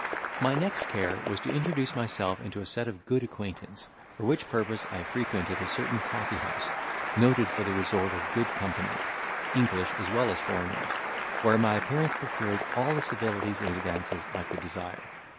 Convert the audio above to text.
My next care was to introduce myself into a set of good acquaintance: for which purpose I frequented a certain coffee house, noted for the resort of good company, English as well as foreigners, where my appearance procured all the civilities and advances I could desire.